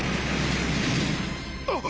あっ！